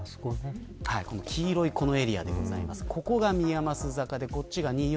黄色いこのエリアでございます。